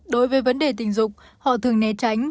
đối với vấn đề tình dục họ thường né tránh